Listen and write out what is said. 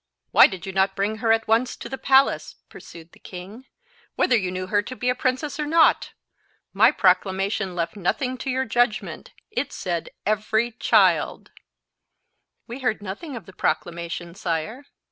"Why did you not bring her at once to the palace," pursued the king, "whether you knew her to be a princess or not? My proclamation left nothing to your judgment. It said every child." "We heard nothing of the proclamation, sire."